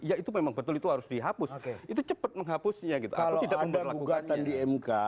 ya itu memang betul itu harus dihapus itu cepet menghapusnya gitu aku tidak memperlakukannya kalau ada gugatan di mk